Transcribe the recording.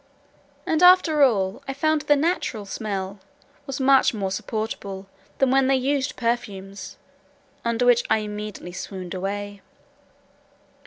And, after all, I found their natural smell was much more supportable, than when they used perfumes, under which I immediately swooned away.